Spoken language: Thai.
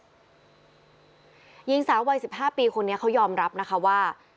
ร้องขอความยุติธรรมให้ยิงสาววัยสิบห้าปีคนนี้เขายอมรับนะคะว่า